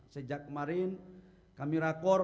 sejak kemarin kami rakor